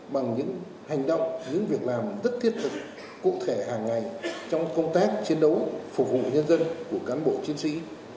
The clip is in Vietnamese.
bằng những hành động những việc làm rất thiết thực cụ thể hàng ngày trong công tác chiến đấu phục vụ nhân dân của cán bộ chiến sĩ